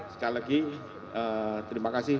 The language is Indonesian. sekali lagi terima kasih